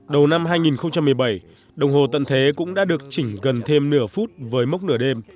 đầu năm hai nghìn một mươi bảy đồng hồ tận thế cũng đã được chỉnh gần thêm nửa phút với mốc nửa đêm